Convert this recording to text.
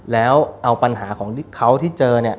แล้วเอาปัญหาของเขาที่เจอ